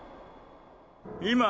今？